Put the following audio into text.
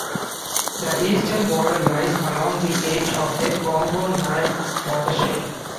The eastern border lies along the edge of the Congo-Nile watershed.